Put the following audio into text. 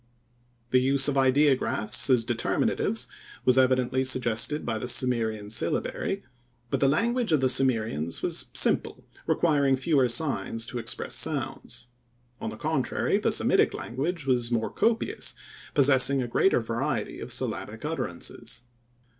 The use of ideographs as determinatives was evidently suggested by the Sumerian syllabary, but the language of the Sumerians was simple, requiring fewer signs to express sounds. On the contrary, the Semitic language was more copious, possessing a greater variety of syllabic utterances.